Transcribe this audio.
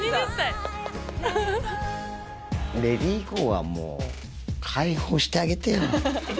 レリゴーはもう、解放してあげてよ。